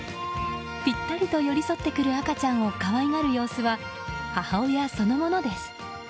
ぴったりと寄り添ってくる赤ちゃんを可愛がる様子は母親そのものです。